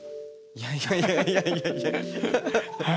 いやいやいやいや。